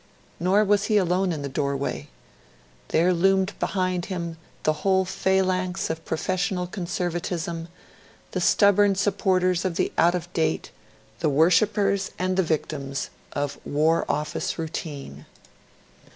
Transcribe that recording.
Nor was he alone in the doorway. There loomed behind him the whole phalanx of professional conservatism, the stubborn supporters of the out of date, the worshippers and the victims of War Office routine.